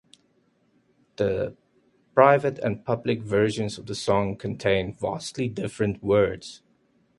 The private and public versions of the song contain vastly different words.